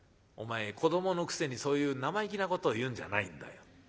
「お前子どものくせにそういう生意気なことを言うんじゃないんだよ。